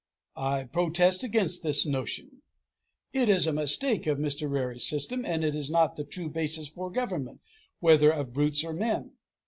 I protest against the notion. It is a mistake of Mr. Rarey's system, and it is not the true basis for government, whether of brutes or men.